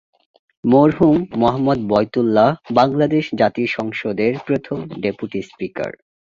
মরহুম মো:বয়তুল্লাহ, বাংলাদেশ জাতীয় সংসদের প্রথম ডেপুটি স্পীকার